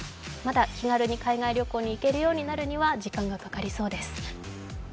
まだ気軽に海外旅行に行けるようになるには時間がかかりそうです。